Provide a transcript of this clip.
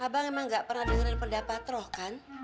abang emang nggak pernah dengerin pendapat roh kan